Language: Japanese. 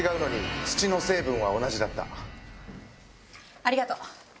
ありがとう。